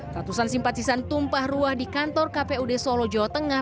ratusan simpatisan tumpah ruah di kantor kpud solo jawa tengah